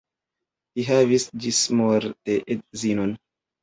Li havis ĝismorte edzinon.